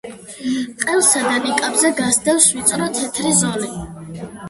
ყელსა და ნიკაპზე გასდევს ვიწრო, თეთრი ზოლი.